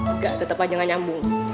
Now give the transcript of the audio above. enggak tetap aja gak nyambung